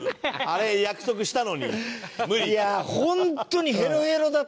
あれ約束したのに無理。